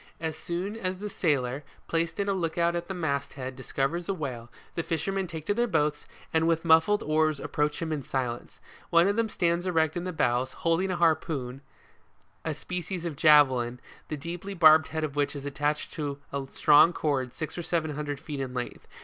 As soon as the sailor, placed in a lookout at the mast 134 WHALE FISHING. head, discovers a whale, the fishermen take to their boats, and with muffled oars approach him in silence. One of them stands erect in the bows, holding a harpoon, a species of javelin, the deeply barbed head of which is attached to a strong cord, six or seven hundred feet in length.